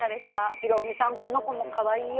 ヒロミさん、この子もかわいいよ。